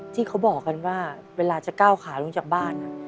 ที่เขาบอกกันว่าเวลาจะก้าวขาลงจากบ้าน